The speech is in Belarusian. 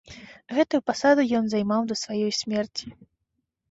Гэтую пасаду ен займаў да сваей смерці.